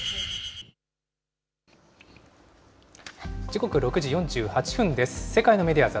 時刻、６時４８分です。